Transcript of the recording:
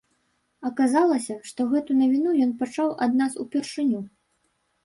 Аказалася, што гэту навіну ён пачуў ад нас упершыню.